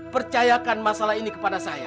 percayakan masalah ini kepada saya